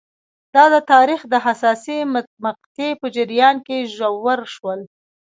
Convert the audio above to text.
دا د تاریخ د حساسې مقطعې په جریان کې ژور شول.